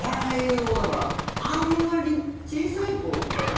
だからあんまり小さいころから見て。